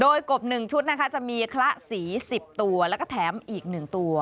โดยกบ๑ชุดนะคะจะมีคละสี๑๐ตัวแล้วก็แถมอีก๑ตัว